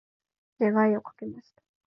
願いをかけました。